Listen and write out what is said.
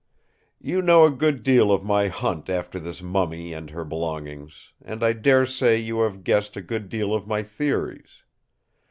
"You know a good deal of my hunt after this mummy and her belongings; and I dare say you have guessed a good deal of my theories.